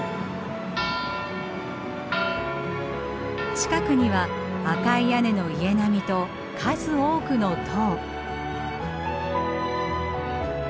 近くには赤い屋根の家並みと数多くの塔。